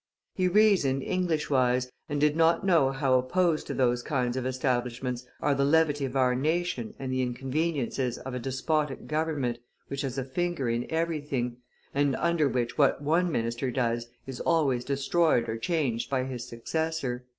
He reasoned Englishwise, and did not know how opposed to those kinds of establishments are the levity of our nation and the inconveniences of a despotic government, which has a finger in everything, and under which what one minister does is always destroyed or changed by his successor."